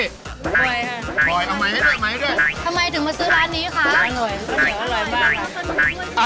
ไม่ให้ถึงมาซื้อร้านนี้ค่ะ